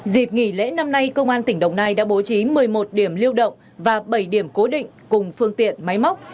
dịp nghỉ lễ năm nay công an tỉnh đồng nai đã bố trí một mươi một điểm lưu động và bảy điểm cố định cùng phương tiện máy móc